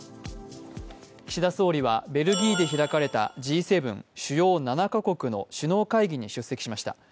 岸田総理はベルギーで開かれたＧ７＝主要７か国の首脳会議に出席しました。